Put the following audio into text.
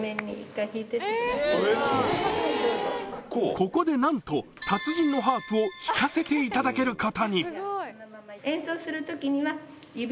ここでなんと達人のハープを弾かせていただけることに演奏します。